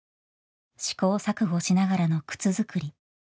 試行錯誤しながらの靴作り。